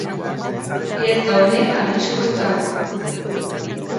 Ez gaude arriskuz kanpo.